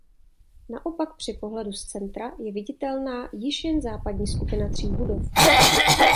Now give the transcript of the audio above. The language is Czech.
Naopak při pohledu z centra je viditelná již jen západní skupina tří budov.